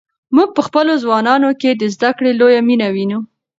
موږ په خپلو ځوانانو کې د زده کړې لویه مینه وینو.